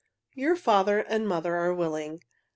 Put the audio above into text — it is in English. "Your father and mother are willing.